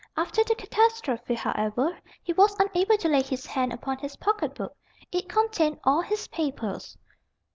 After the catastrophe, however, he was unable to lay his hand upon his pocket book. It contained all his papers."